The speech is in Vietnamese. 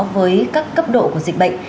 với các cấp độ của dịch bệnh